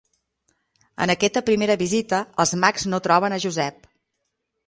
En aquesta primera visita, els mags no troben a Josep.